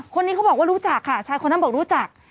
คนนี้เขาบอกว่ารู้จักค่ะชายคนนั้นบอกรู้จัก